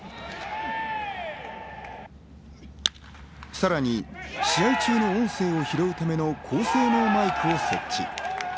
さらに、試合中の音声を拾うための高性能マイクを設置。